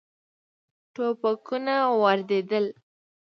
ټوپکونه واردېدل.